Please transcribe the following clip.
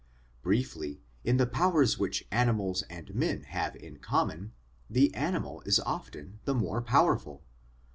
Briefly, in the powers which animals and men have in common, the animal is often the more powerful.